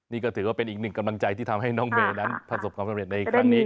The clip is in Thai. นี่ก็ถือว่าเป็นอีกหนึ่งกำลังใจที่ทำให้น้องเมย์นั้นประสบความสำเร็จในครั้งนี้